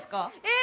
え！